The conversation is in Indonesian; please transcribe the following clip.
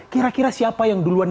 kira kira siapa yang duluan